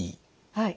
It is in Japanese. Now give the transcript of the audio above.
はい。